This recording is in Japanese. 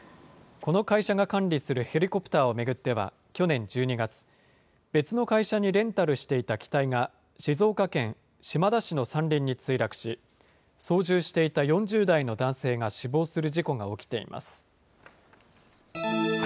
この会社が管理するヘリコプターを巡っては去年１２月、別の会社にレンタルしていた機体が静岡県島田市の山林に墜落し、操縦していた４０代の男性が死亡する事故が起きています。